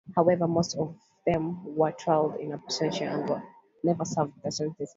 However most of them were trialed "in absentia" and never served their sentences.